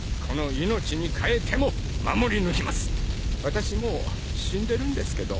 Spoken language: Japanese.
私もう死んでるんですけど。